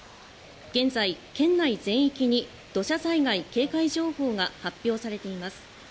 現在、県内全域に土砂災害警戒情報が発表されています。